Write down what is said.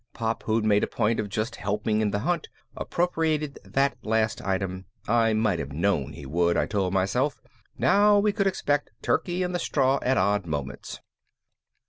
Pop, who'd make a point of just helping in the hunt, appropriated that last item I might have known he would, I told myself. Now we could expect "Turkey in the Straw" at odd moments.